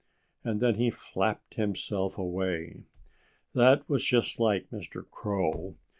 And then he flapped himself away. That was just like Mr. Crow.